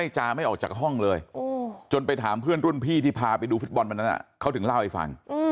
จนไปถามเพื่อนรุ่นพี่ที่พาไปดูฟิศบอลบันนั้นเขาถึงเล่าให้ฟัง